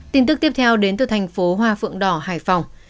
tin tức tiếp theo đến từ thành phố hoa phượng đỏ hải phòng